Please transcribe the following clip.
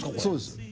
そうです。